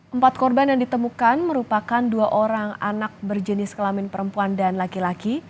empat korban yang ditemukan merupakan dua orang anak berjenis kelamin perempuan dan laki laki